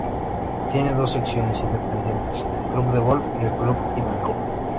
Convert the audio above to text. Tiene dos secciones independientes: el club de golf y el club hípico.